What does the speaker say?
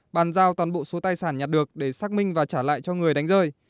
bàn giao toàn bộ số tài sản nhặt được để xác minh và trả lại cho người đánh rơi